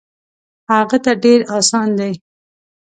هغه ته ډېر اسان دی.